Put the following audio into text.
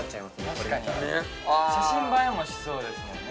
確かに・写真映えもしそうですもんね